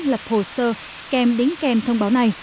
lập hồ sơ kèm đính kèm thông báo này